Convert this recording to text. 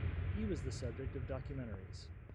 He was the subject of documentaries.